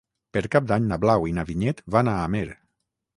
Per Cap d'Any na Blau i na Vinyet van a Amer.